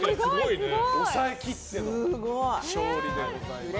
抑えきっての勝利でございます。